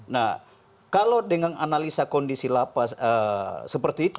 nah kalau dengan analisa kondisi la paz seperti itu